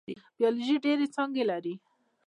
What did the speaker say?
بیولوژي ډیرې څانګې لري